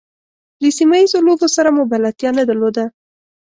له سیمه ییزو لوبو سره مو بلدتیا نه درلوده.